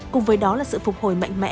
cùng với đó là sự phục hồi mạnh mẽ